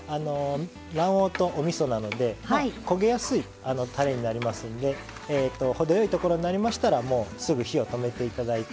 卵黄とおみそなので焦げやすいたれになりますんで程よいところになりましたらもうすぐ火を止めて頂いて。